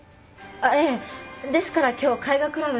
ええですから今日絵画クラブで。